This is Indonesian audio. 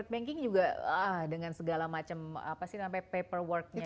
banking juga dengan segala macam apa sih namanya paperworknya